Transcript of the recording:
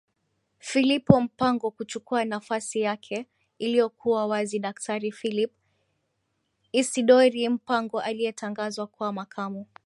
philipo mpango kuchukua nafasi yake iliyokuwa waziDaktari Philip Isidory Mpango aliyetangazwa kuwa Makamu